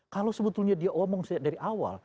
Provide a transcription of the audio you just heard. kalau sebetulnya dia omong dari awal